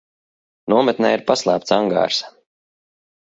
Nometnē ir paslēpts angārs.